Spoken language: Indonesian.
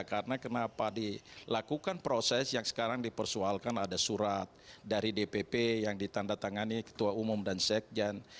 karena kenapa dilakukan proses yang sekarang dipersoalkan ada surat dari dpp yang ditanda tangani ketua umum dan sekjen